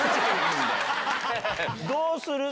どうする？